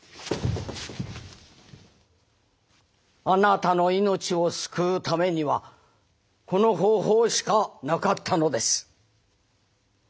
あなたの命を救うためにはこの方法しかなかったのです。